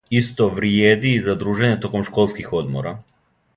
Исто вриједи и за дружење током школских одмора.